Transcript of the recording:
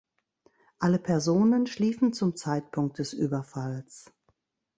Alle Personen schliefen zum Zeitpunkt des Überfalls.